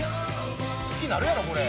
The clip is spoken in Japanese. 「好きになるやろこれ」